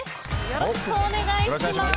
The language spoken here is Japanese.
よろしくお願いします。